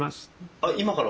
あっ今から？